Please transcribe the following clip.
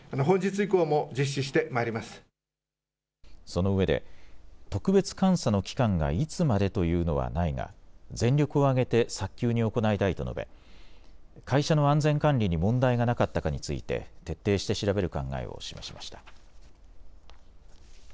そのうえで特別監査の期間がいつまでというのはないが全力を挙げて早急に行いたいと述べ会社の安全管理に問題がなかったかについて徹底して調べる考えを示しました。